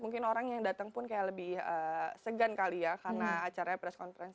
mungkin orang yang datang pun kayak lebih segan kali ya karena acaranya press conference